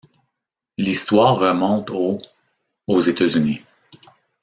L'histoire remonte au aux États-Unis.